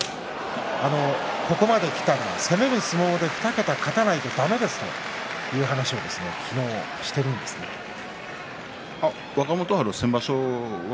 ここまできたら攻める相撲で２桁勝たないとだめですという話を若元春、先場所は？